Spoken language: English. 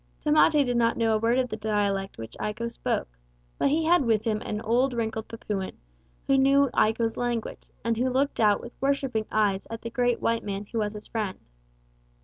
Tamate did not know a word of the dialect which Iko spoke, but he had with him an old wrinkled Papuan, who knew Iko's language, and who looked out with worshipping eyes at the great white man who was his friend.